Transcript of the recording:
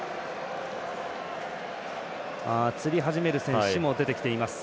つり始める選手も出てきています。